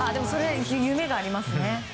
それは夢がありますね。